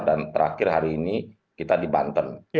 dan terakhir hari ini kita di banten